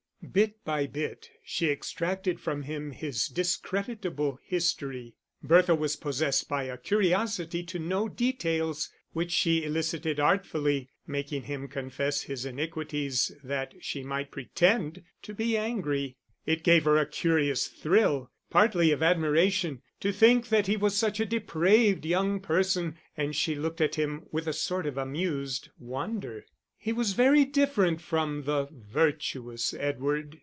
Bit by bit she extracted from him his discreditable history. Bertha was possessed by a curiosity to know details, which she elicited artfully, making him confess his iniquities that she might pretend to be angry. It gave her a curious thrill, partly of admiration, to think that he was such a depraved young person, and she looked at him with a sort of amused wonder. He was very different from the virtuous Edward.